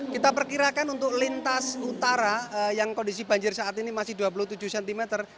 kita perkirakan untuk lintas utara yang kondisi banjir saat ini masih dua puluh tujuh cm